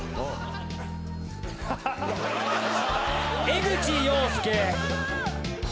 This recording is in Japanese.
江口洋介。